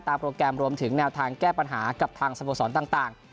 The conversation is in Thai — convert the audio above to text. โปรแกรมรวมถึงแนวทางแก้ปัญหากับทางสโมสรต่าง